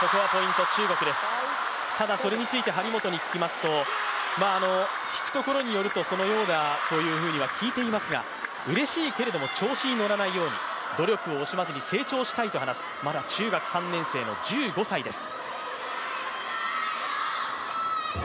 ただ、それについて張本に聞きますと、聞くところによるとそのようなというふうには聞いていますが、うれしいけれども調子に乗らないように、努力を惜しまずに成長したいと話す、まだ中学３年生の１５歳です。